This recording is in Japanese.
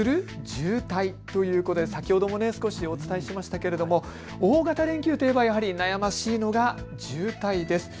渋滞ということで先ほども少しお伝えしましたけれども大型連休といえば悩ましいのが渋滞です。